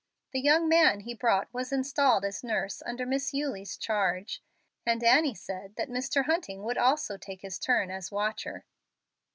The young man he brought was installed as nurse under Miss Eulie's charge, and Annie said that Mr. Hunting would also take his turn as watcher.